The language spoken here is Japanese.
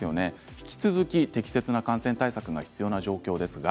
引き続き、適切な感染対策が必要な状況です。